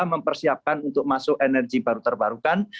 mempersiapkan untuk masuk energi baru terbarukan